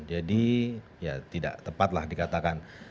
ya tidak tepat lah dikatakan